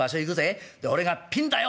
で俺が『ピンだよ』